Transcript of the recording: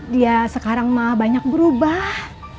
dia sekarang mah banyak berubah